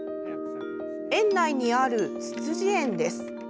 園内にあるツツジ園です。